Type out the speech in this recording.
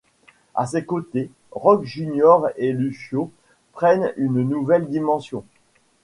À ses côtés, Roque Júnior et Lúcio prennent une nouvelle dimension.